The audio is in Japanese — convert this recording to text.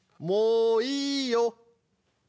もういいよ。